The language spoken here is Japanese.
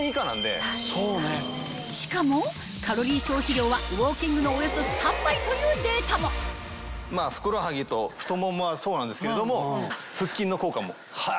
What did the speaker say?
しかもカロリー消費量はウォーキングのおよそ３倍というデータもふくらはぎと太ももはそうなんですけれども腹筋の効果も。